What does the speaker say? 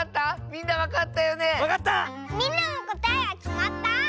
みんなもこたえはきまった？